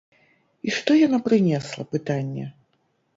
І што яна прынесла, пытанне.